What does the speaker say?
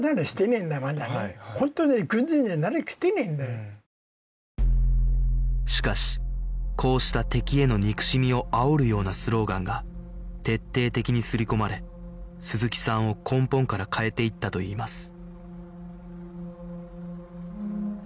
もうしかしこうした敵への憎しみをあおるようなスローガンが徹底的に刷り込まれ鈴木さんを根本から変えていったといいます